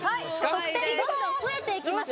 得点どんどん増えていきます